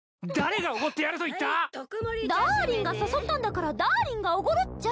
ダーリンが誘ったんだからダーリンがおごるっちゃ。